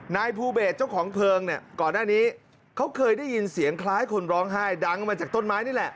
นายภูเบสเจ้าของเพลิงเนี่ยก่อนหน้านี้เขาเคยได้ยินเสียงคล้ายคนร้องไห้ดังมาจากต้นไม้นี่แหละ